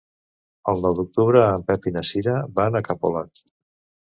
El nou d'octubre en Pep i na Cira van a Capolat.